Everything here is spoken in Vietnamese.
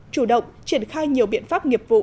chủ động triển khai nhiều biện pháp nghiệp vụ